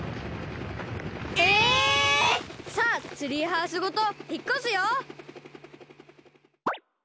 さあツリーハウスごとひっこすよ！